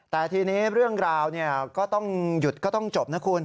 แต่ทีนี้เรื่องราวก็ต้องหยุดก็ต้องจบนะคุณ